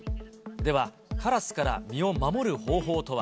では、カラスから身を守る方法とは。